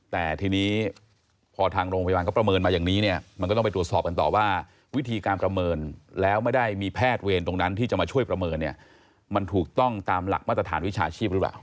แต่ทีนี้พอทางโรงพยาบาลเขาประเมินมาอย่างนี้เนี่ยมันก็ต้องไปตรวจสอบกันต่อว่าวิธีการประเมินแล้วไม่ได้มีแพทย์เวรตรงนั้นที่จะมาช่วยประเมินเนี่ยมันถูกต้องตามหลักมาตรฐานวิชาชีพหรือเปล่า